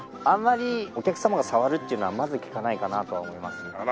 あんまりお客様が触るっていうのはまず聞かないかなとは思いますね。